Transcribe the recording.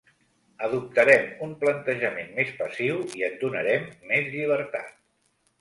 Adoptarem un plantejament més passiu i et donarem més llibertat.